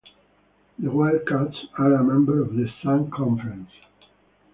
The Wildcats are a member of The Sun Conference.